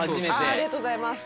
ありがとうございます。